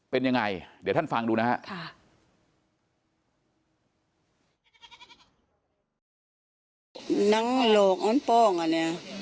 เป็นยังไงเดี๋ยวท่านฟังดูนะฮะ